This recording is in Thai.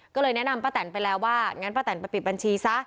ก็เลยแนะนำป้าแตนไปแล้วว่างั้นป้าแตนไปปิดบัญชีซะ